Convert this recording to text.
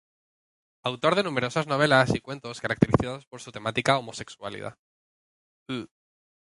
Autor de numerosas novelas y cuentos caracterizados por su temática homosexual.